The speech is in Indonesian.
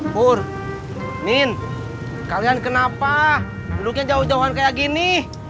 pur nin kalian kenapa duduknya jauh jauhan kayak gini